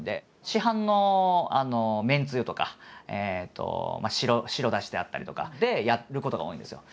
市販のめんつゆとか白だしであったりとかでやることが多いんですよ。